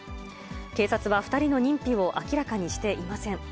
警察は２人の認否を明らかにしていません。